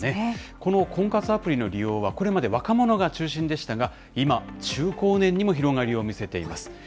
この婚活アプリの利用はこれまで若者が中心でしたが、今、中高年にも広がりを見せています。